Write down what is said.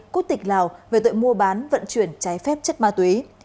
quốc tịch lào về tội mua bán vận chuyển trái phép chất ma túy